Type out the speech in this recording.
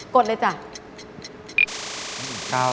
ดเลยจ้ะ